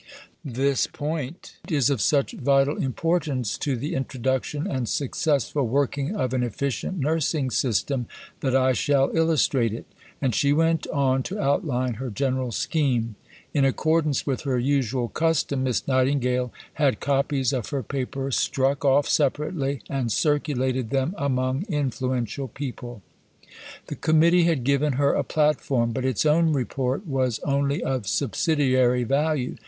This point is of such vital importance to the introduction and successful working of an efficient nursing system that I shall illustrate it...." And she went on to outline her general scheme. In accordance with her usual custom, Miss Nightingale had copies of her Paper struck off separately, and circulated them among influential people. The Committee had given her a platform, but its own Report was only of subsidiary value.